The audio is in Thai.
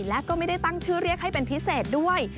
และก็ไม่ได้ตั้งชื่อเรียกให้เป็นพิเศษด้วย